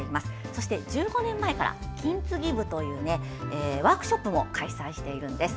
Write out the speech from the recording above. そして、１５年前から金継ぎ部というワークショップも開催しているんです。